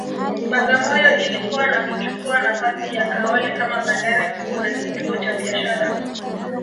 Bagamoyo ilikua na kuchukua nafasi ya Kaole kama bandari kuu na kituo cha biashara